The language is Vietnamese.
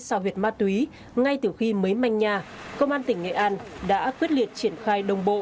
so huyện ma túy ngay từ khi mới manh nhà công an tỉnh nghệ an đã quyết liệt triển khai đồng bộ